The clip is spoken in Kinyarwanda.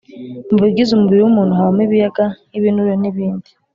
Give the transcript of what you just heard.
mu bigize umubiri w’umuntu habamo ibiyaga nk’ibinure n’ibindi